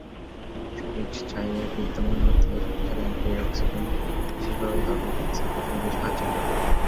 সবুজ চায়ে বিদ্যমান অত্যন্ত শক্তিশালী অ্যান্টিঅক্সিডেন্ট বিশেষভাবে ত্বকের ক্যানসার প্রতিরোধে সাহায্য করে।